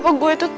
ya tidak itu